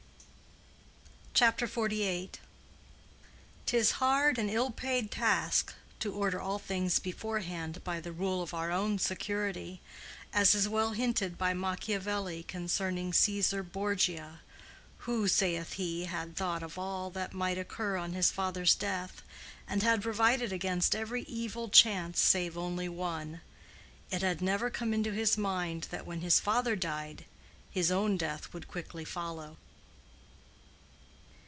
CHAPTER XLVIII. 'Tis hard and ill paid task to order all things beforehand by the rule of our own security, as is well hinted by Machiavelli concerning Cæsar Borgia, who, saith he, had thought of all that might occur on his father's death, and had provided against every evil chance save only one: it had never come into his mind that when his father died, his own death would quickly follow.